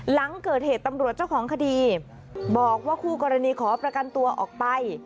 หลังเกิดเหตุตำรวจเจ้าของคดีบอกว่าคู่กรณีขอประกันตัวออกไป